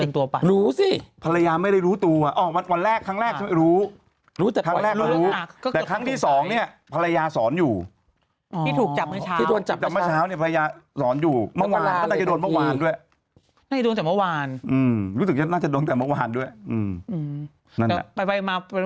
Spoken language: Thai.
ทำรวจเซ็นตัวไป